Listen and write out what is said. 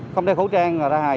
không đeo khẩu trang ra hài